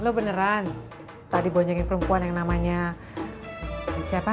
lo beneran tadi bonjengin perempuan yang namanya siapa